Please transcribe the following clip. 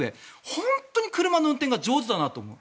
本当に車の運転が上手だなと思う。